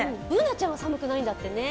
Ｂｏｏｎａちゃんは寒くないんだってね。